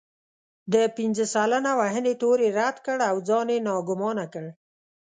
د پنځه سلنه وهنې تور يې رد کړ او ځان يې ناګومانه کړ.